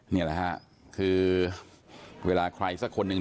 นี่แหละฮะคือเวลาใครสักคนหนึ่ง